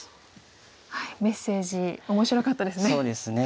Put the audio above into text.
メッセージ面白かったですね。